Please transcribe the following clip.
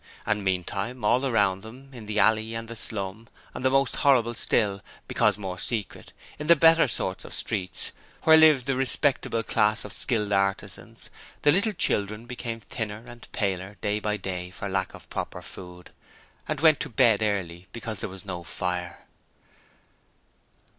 And meantime, all around them, in the alley and the slum, and more terrible still because more secret in the better sort of streets where lived the respectable class of skilled artisans, the little children became thinner and paler day by day for lack of proper food, and went to bed early because there was no fire.